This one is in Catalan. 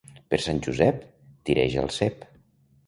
Per Sant Josep tireja el cep.